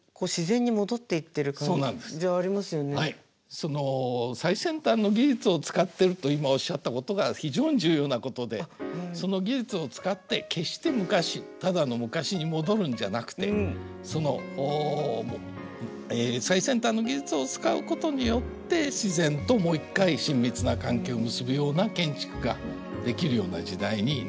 その最先端の技術を使ってると今おっしゃったことが非常に重要なことでその技術を使って決して昔ただの昔に戻るんじゃなくてその最先端の技術を使うことによって自然ともう一回親密な関係を結ぶような建築ができるような時代になりつつある。